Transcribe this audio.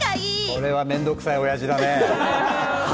それは面倒くさいおやじだね。